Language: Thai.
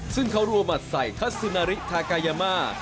ซึ่งเขารัวหมัดใส่คัสซึนาริทากายามา